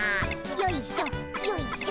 よいしょよいしょ。